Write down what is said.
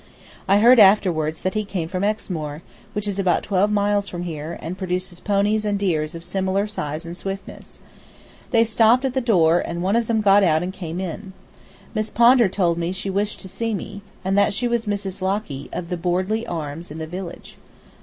I heard afterward that he came from Exmoor, which is about twelve miles from here, and produces ponies and deers of similar size and swiftness. They stopped at the door, and one of them got out and came in. Miss Pondar told me she wished to see me, and that she was Mrs. Locky, of the "Bordley Arms" in the village.